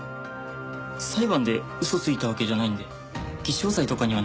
裁判で嘘ついたわけじゃないんで偽証罪とかにはなりませんよね？